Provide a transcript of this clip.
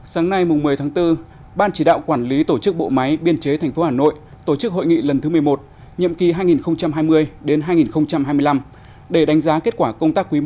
sáng nay một mươi tháng bốn ban chỉ đạo quản lý tổ chức bộ máy biên chế tp hà nội tổ chức hội nghị lần thứ một mươi một nhiệm kỳ hai nghìn hai mươi hai nghìn hai mươi năm để đánh giá kết quả công tác quý i